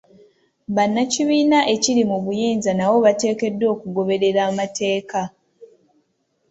Bannakibiina ekiri mu buyinza nabo bateekeddwa okugoberera amateeka.